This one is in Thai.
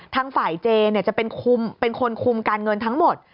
ทางฝ่ายเจจะเป็นคนคุมการเงินทั้งหมด